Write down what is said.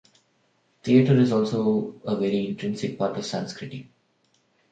Theatre is also a very intrinsic part of Sanskriti.